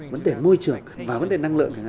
vấn đề môi trường và vấn đề năng lượng